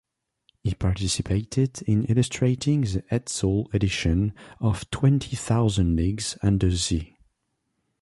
He participated in illustrating the Hetzel editions of "Twenty Thousand Leagues Under the Sea".